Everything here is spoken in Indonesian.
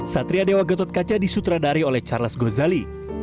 satria dewa gatot kaca disutradari oleh charles gozali